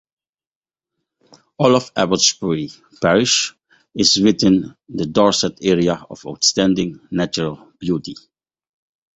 All of Abbotsbury parish is within the Dorset Area of Outstanding Natural Beauty.